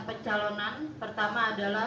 pencalonan pertama adalah